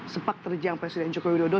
sepak terjang presiden joko widodo